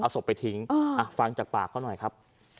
ศพไปทิ้งฟังจากปากเขาหน่อยครับ